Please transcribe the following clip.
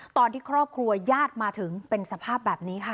ตอนที่ครอบครัวญาติมาถึงเป็นสภาพแบบนี้ค่ะ